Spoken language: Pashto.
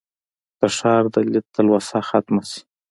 د ښار د لیدو تلوسه ختمه شي.